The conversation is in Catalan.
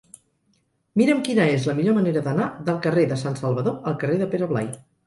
Mira'm quina és la millor manera d'anar del carrer de Sant Salvador al carrer de Pere Blai.